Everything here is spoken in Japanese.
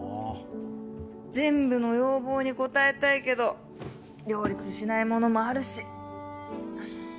全部の要望に応えたいけど両立しないものもあるし。